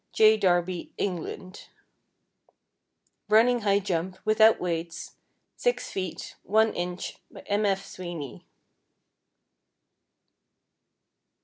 J. Darby, England; running high jump, without weights, 6 ft., 1 in., M. F. Sweeney.